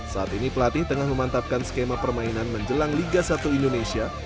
saat ini pelatih tengah memantapkan skema permainan menjelang liga satu indonesia